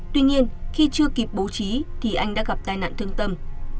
tuy nhiên khi chưa kịp bố trí thì anh đã gặp tai nạn thương tâm